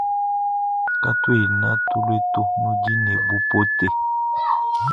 Katuena tulua to nudi ne bupote.